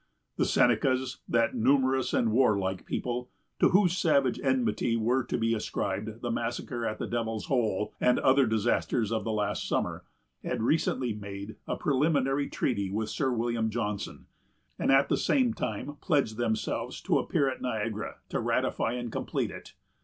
The Senecas, that numerous and warlike people, to whose savage enmity were to be ascribed the massacre at the Devil's Hole, and other disasters of the last summer, had recently made a preliminary treaty with Sir William Johnson, and at the same time pledged themselves to appear at Niagara to ratify and complete it.